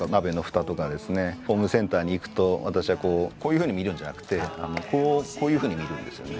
ホームセンターに行くと私はこうこういうふうに見るんじゃなくてこういうふうに見るんですよね。